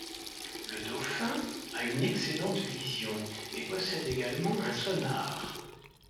Le dauphin a une excellente vision et possède également un sonar.